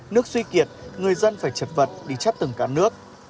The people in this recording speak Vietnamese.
nước suy kiệt người dân phải chật vật đi chắt từng cá nước